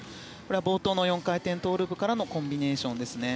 冒頭の４回転トウループからのコンビネーションですね。